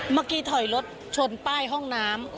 เมื่อกี้ถอยรถชนป้ายห้องน้ำ